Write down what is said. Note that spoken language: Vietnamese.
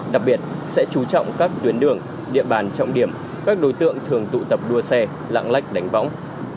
đặc biệt sẽ chú trọng các tuyến đường địa bàn trọng điểm các đối tượng thường tụ tập đua xe lạng lách đánh võng